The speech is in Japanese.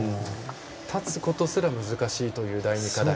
立つことすら難しい第２課題。